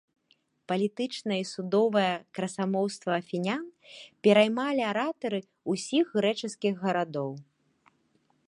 Палітычнае і судовае красамоўства афінян пераймалі аратары ўсіх грэчаскіх гарадоў.